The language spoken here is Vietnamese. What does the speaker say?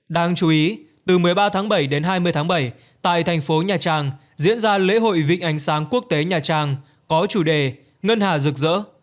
đáng chú ý từ một mươi ba tháng bảy đến hai mươi tháng bảy tại thành phố nhà trang diễn ra lễ hội vịnh ánh sáng quốc tế nhà trang có chủ đề ngân hà rực rỡ